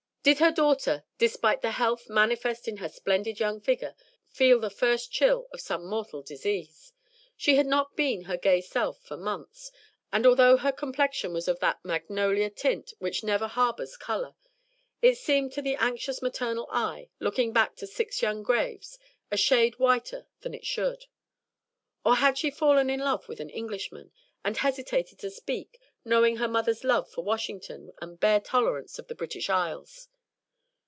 Did her daughter, despite the health manifest in her splendid young figure, feel the first chill of some mortal disease? She had not been her gay self for months, and although her complexion was of that magnolia tint which never harbours colour, it seemed to the anxious maternal eye, looking back to six young graves, a shade whiter than it should. Or had she fallen in love with an Englishman, and hesitated to speak, knowing her mother's love for Washington and bare tolerance of the British Isles?